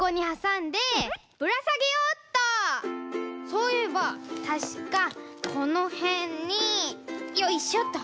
そういえばたしかこのへんによいしょっと！